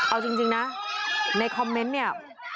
เอาจริงนะในคอมเมนต์เนี่ย